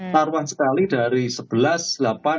taruhan sekali dari sebuah pengakuan